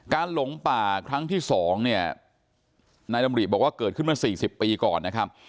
การหลงป่าครั้งที่สองเนี่ยนายลำบรีบบอกว่าเกิดขึ้นมาสี่สิบปีก่อนนะครับ